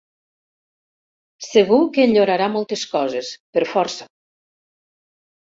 Segur que enyorarà moltes coses, per força.